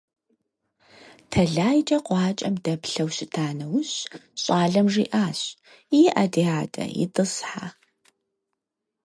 ТэлайкӀэ къуакӀэм дэплъэу щыта нэужь, щӀалэм жиӀащ: - ИӀэ, ди адэ, итӀысхьэ.